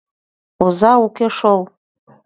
— Оза уке шол...